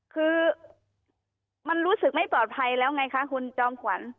คือมันรู้สึกไม่ปลอดภัยแล้วไงคะคุณจอมขวัญ